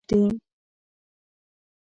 دوی د اوسني افغانستان د ناامنیو سبب دي